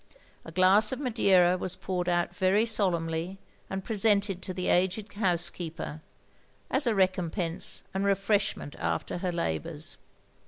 A glass of madeira was poured out very solenmly, and presented to the aged housekeeper, as a recompense and refreshment after her labours.